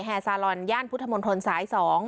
แห่สาลอนย่านพุทธมณฑลสาย๒